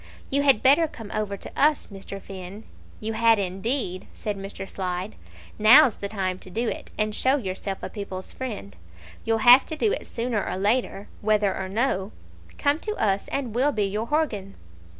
"You had better come over to us, Mr. Finn; you had indeed," said Mr. Slide. "Now's the time to do it, and show yourself a people's friend. You'll have to do it sooner or later, whether or no. Come to us and we'll be your horgan."